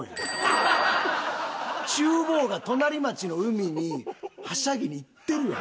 中坊が隣町の海にはしゃぎに行ってるやん。